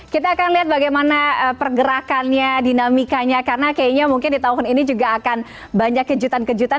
kita akan lihat bagaimana pergerakannya dinamikanya karena kayaknya mungkin di tahun ini juga akan banyak kejutan kejutan